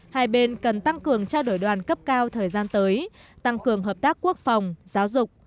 hai bên cần tăng cường trao đổi đoàn cấp cao thời gian tới tăng cường hợp tác quốc phòng giáo dục